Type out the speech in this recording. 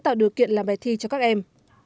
cho kỳ thi cho các em